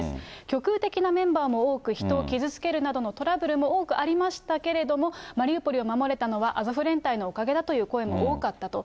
極右的なメンバーも多く、人を傷つけるなどのトラブルも多くありましたけれども、マリウポリを守れたのは、アゾフ連隊のおかげだという声も多かったと。